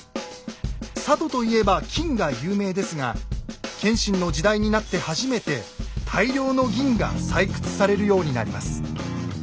佐渡と言えば金が有名ですが謙信の時代になって初めて大量の銀が採掘されるようになります。